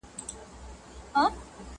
ملکې ته ډوډۍ راوړه نوکرانو،